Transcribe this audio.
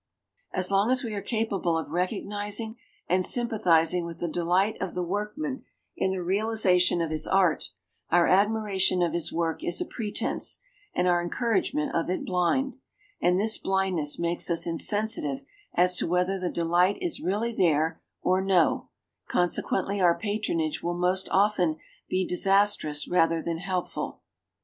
As long as we are incapable of recognising and sympathising with the delight of the workman in the realisation of his art, our admiration of his work is a pretence, and our encouragement of it blind and this blindness makes us insensitive as to whether the delight is really there or no; consequently our patronage will most often be disastrous rather than helpful.